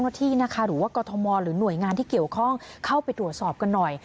ที่นะคะหรือว่ากรทมหรือหน่วยงานที่เกี่ยวข้องเข้าไปตรวจสอบกันหน่อย